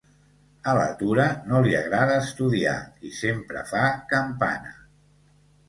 A la Tura no li agrada estudiar i sempre fa campana: